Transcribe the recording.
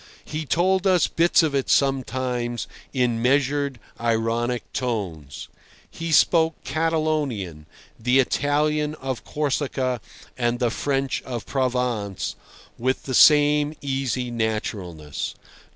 He told us bits of it sometimes in measured, ironic tones. He spoke Catalonian, the Italian of Corsica and the French of Provençe with the same easy naturalness.